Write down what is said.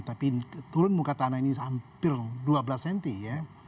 tapi turun muka tanah ini hampir dua belas cm ya